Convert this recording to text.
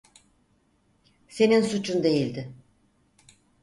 Senin suçun değildi.